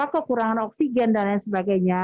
kekurangan oksigen dan lain sebagainya